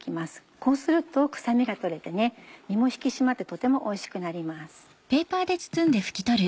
こうすると臭みが取れて身も引き締まってとてもおいしくなります。